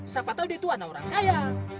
siapa tahu dia itu anak orang kaya